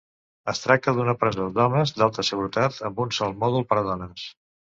Es tracta d'una presó d'homes d'alta seguretat, amb un sol mòdul per a dones.